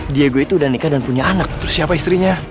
diego itu udah nikah dan punya anak terus siapa istrinya